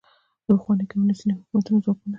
د پخواني کمونیستي حکومت ځواکونو